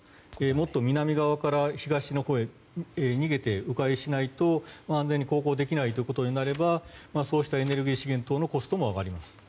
もっと南側から東のほうへ逃げて迂回しないと安全に航行できないということになればそうしたエネルギー資源等のコストも上がります。